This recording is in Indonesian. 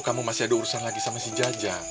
kamu masih ada urusan lagi sama si jaja